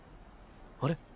あれ？